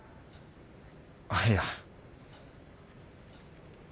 あっいや。